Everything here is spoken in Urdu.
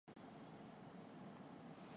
وہ بھی مجھے کافی حیران کن لگتا ہے۔